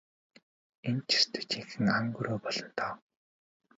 Энэ ч ёстой жинхэнэ ан гөрөө болно доо.